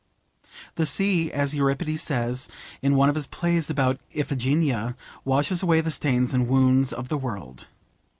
The sea, as Euripides says in one of his plays about Iphigeneia, washes away the stains and wounds of the world.